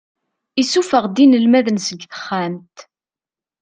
Isuffeɣ-d inelmaden seg texxamt.